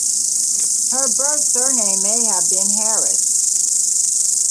Her birth surname may have been Harris.